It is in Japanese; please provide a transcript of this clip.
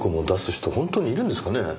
本当にいるんですかね？